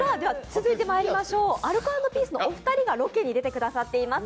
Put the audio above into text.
続いてまいりましょう、アルコ＆ピースのお二人がロケに出てくださっています。